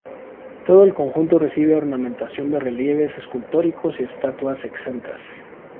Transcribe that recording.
Todo el conjunto recibe ornamentación de relieves escultóricos y estatuas exentas.